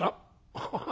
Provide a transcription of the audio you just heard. ハハハ